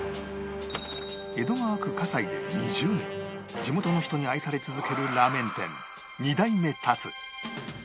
江戸川区葛西で２０年地元の人に愛され続けるラーメン店二代目 ＴＡＴＳＵ